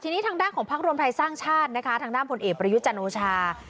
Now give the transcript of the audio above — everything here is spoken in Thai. ทีนี้ทางด้านของพักรวมไทยสร้างชาตินะคะทางด้านผลเอกประยุทธ์จันโอชา